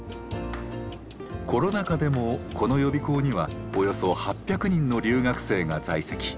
コロナ禍でもこの予備校にはおよそ８００人の留学生が在籍。